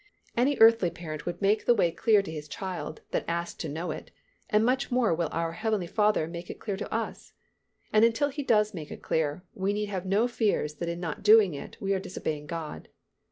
Any earthly parent would make the way clear to his child that asked to know it and much more will our heavenly Father make it clear to us, and until He does make it clear, we need have no fears that in not doing it, we are disobeying God.